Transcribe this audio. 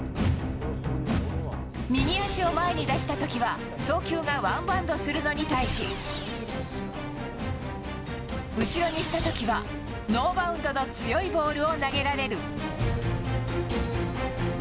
右足を前に出した時は送球がワンバウンドするのに対し後ろにした時は、ノーバウンドの強いボールを投げられる。